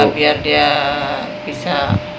biar dia bisa